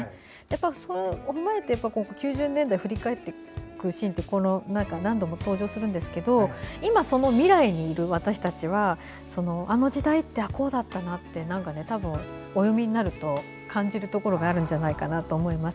それを踏まえて、９０年代を振り返っていくシーンって何度も登場するんですけど今その未来にいる私たちはあの時代ってこうだったなってたぶん、お読みになると感じるところがあるんじゃないかと思います。